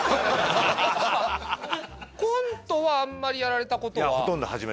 コントはあんまりやられたことは？